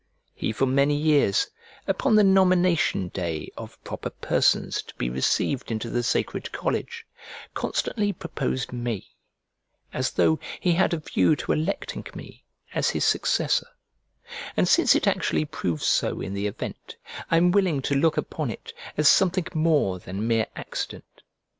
He for many years, upon the nomination day of proper persons to be received into the sacred college, constantly proposed me, as though he had a view to electing me as his successor; and since it actually proved so in the event, I am willing to look upon it as something more than mere accident.